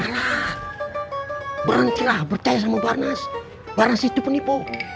alah berhentilah percaya sama barnaz barnaz itu penipu